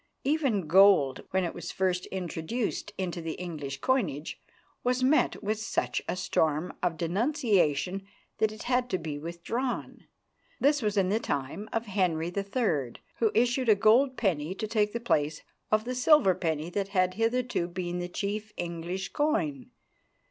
Even gold, when it was first introduced into the English coinage, was met with such a storm of denunciation that it had to be withdrawn. This was in the time of Henry III., who issued a golden penny to take the place of the silver penny that had hitherto been the chief English coin.